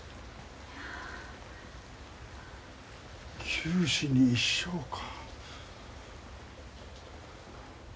九死に一生か。